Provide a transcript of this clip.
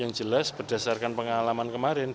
yang jelas berdasarkan pemilu dpr dprd dan pemilu dpd